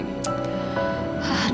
aduh aku kemarah sih